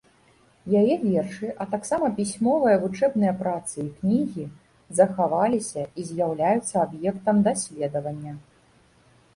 Яе вершы, а таксама пісьмовыя вучэбныя працы і кнігі захаваліся і з'яўляюцца аб'ектам даследавання.